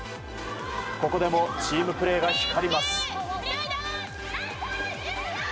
ここでもチームプレーが光ります。